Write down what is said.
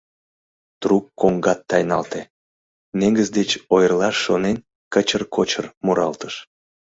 Трук коҥгат тайналте, негыз деч ойырлаш шонен, кычыр-кочыр муралтыш.